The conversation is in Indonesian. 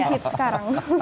malah dikit sekarang